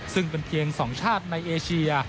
ซึ่งเป็นเพียง๒ชาติในเอเชีย